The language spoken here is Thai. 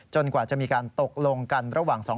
จนกว่าจะมีการตกลงกันระหว่างสองฝ่าย